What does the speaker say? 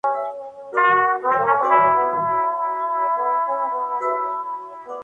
Santos interpretó canciones del álbum y de su tiempo con Aventura.